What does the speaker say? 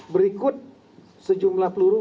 berikut sejumlah peluru